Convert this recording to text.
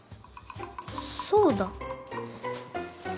そうだ。